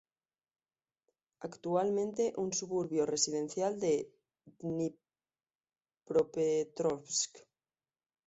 Actualmente un suburbio residencial de Dnipropetrovsk.